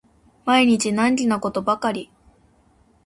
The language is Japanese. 毎日難儀なことばかり